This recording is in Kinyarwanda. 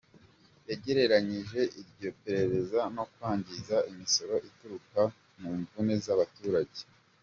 Yagereranyije iryo perereza no kwangiza imisoro ituruka mu mvune z’abaturage.